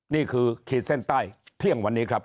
ขีดเส้นใต้เที่ยงวันนี้ครับ